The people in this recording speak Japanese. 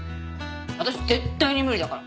私絶対に無理だから。